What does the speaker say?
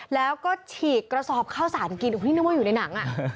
แล้วก็ฉีกกระสอบข้าวสารกินนึกว่าอยู่ในหนังอ่ะ